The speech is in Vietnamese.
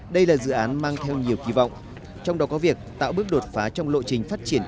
đây là dự án mang theo nhiều kỳ vọng trong đó có việc tạo bước đột phá trong lộ trình phát triển